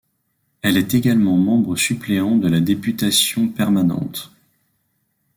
Elle est également membre suppléant de la députation permanente.